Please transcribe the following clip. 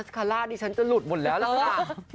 คาร่าดิฉันจะหลุดหมดแล้วล่ะค่ะ